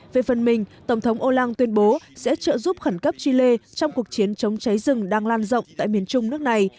về phần mình tổng thống olang tuyên bố sẽ trợ giúp khẩn cấp chile trong cuộc chiến chống cháy rừng đang lan rộng tại miền trung nước này